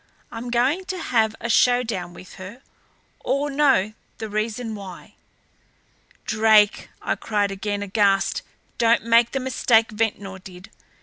"I'm going to have a showdown with her or know the reason why." "Drake," I cried again, aghast, "don't make the mistake Ventnor did.